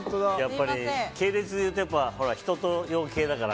系列で言うと一青窈系だから。